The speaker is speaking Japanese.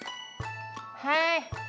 はい。